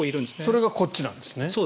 それがこっちなんですね。